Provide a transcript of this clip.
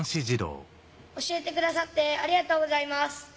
教えてくださってありがとうございます。